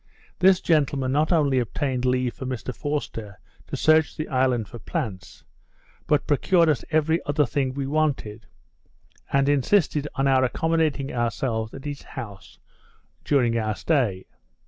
This gentleman not only obtained leave for Mr Forster to search the island for plants, but procured us every other thing we wanted, and insisted on our accommodating ourselves at his house during our stay.